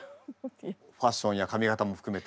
ファッションや髪形も含めて。